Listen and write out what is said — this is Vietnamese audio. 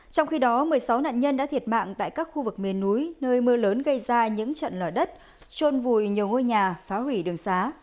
trong khi đó một mươi sáu nạn nhân đã thiệt mạng tại các khu vực miền núi nơi mưa lớn gây ra những trận lở đất trôn vùi nhiều ngôi nhà phá hủy đường xá